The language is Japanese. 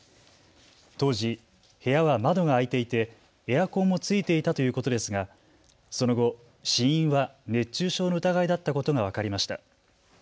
当時、部屋は窓が開いていてエアコンもついていたということですがその後、死因は熱中症の疑いだったことが分かりました。